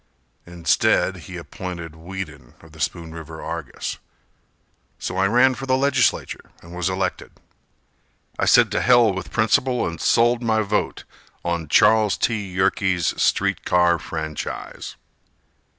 Instead he appointed Whedon of the Spoon River Argus, So I ran for the legislature and was elected. I said to hell with principle and sold my vote On Charles T. Yerkes' street car franchise.